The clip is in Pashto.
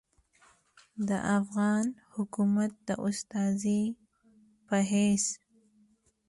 د افغان حکومت د استازي پۀ حېث